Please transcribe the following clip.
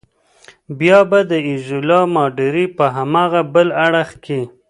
بیا به د ایزولا ماډرې په هاغه بل اړخ کې.